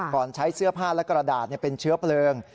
ใช้เสื้อผ้าและกระดาษเป็นเชื้อเพลิง